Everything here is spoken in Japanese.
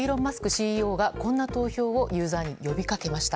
ＣＥＯがこんな投票をユーザーに呼びかけました。